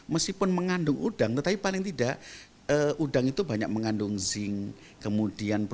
meskipun mengandung udang tetap bisa dipotong ke dalamnya tapi tidak bisa dipotong ke dalamnya